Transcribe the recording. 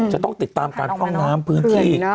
จะต้องติดตามการพร่องน้ำพื้นที่